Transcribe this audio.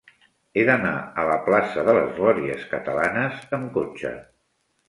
He d'anar a la plaça de les Glòries Catalanes amb cotxe.